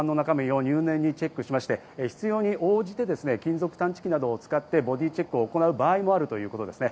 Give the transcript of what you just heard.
かばんの中身を入念にチェックして、必要に応じて金属探知機などを使ってボディチェックを行う場合もあるということです。